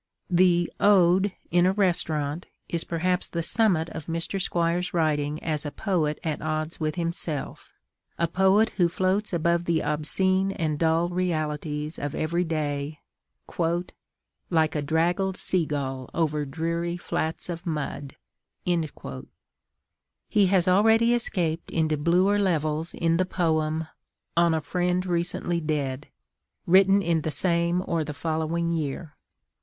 The Ode: In a Restaurant is perhaps the summit of Mr. Squire's writing as a poet at odds with himself, a poet who floats above the obscene and dull realities of every day, "like a draggled seagull over dreary flats of mud." He has already escaped into bluer levels in the poem, On a friend Recently Dead, written in the same or the following year.